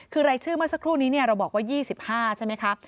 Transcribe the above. คือรายชื่อเมื่อสักครู่นี้เราบอกว่า๒๕ใช่ไหมคะ